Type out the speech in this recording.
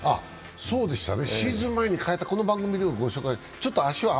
そうでした、シーズン前に変えたとこの番組でも紹介した。